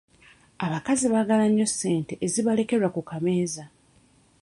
Abakazi baagala nnyo ssente ezibalekerwa ku kameeza.